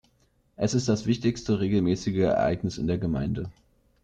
Es ist das wichtigste regelmäßige Ereignis in der Gemeinde.